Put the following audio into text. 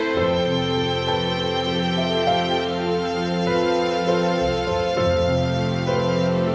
biar dia disini aku makan